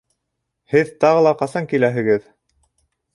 Һеҙ тағы ла ҡасан киләһегеҙ?